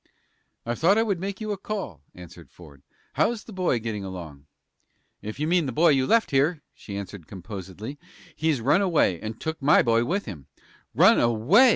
"I thought I would make you a call," answered Ford. "How's the boy getting along?" "If you mean the boy you left here," she answered, composedly, "he's run away, and took my boy with him." "Run away!"